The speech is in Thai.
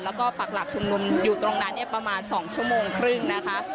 แล้วก็ปักหลักชุมนุมอยู่ตรงนั้นประมาณ๒ชั่วโมงครึ่งนะคะ